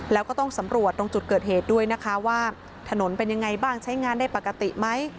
แล้วก็ต้องสำรวจตรงจุดเกิดเหตุด้วยนะคะว่าถนนเป็นยังไงบ้างใช้งานได้ปกติไหม